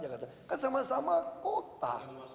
kan sama sama kota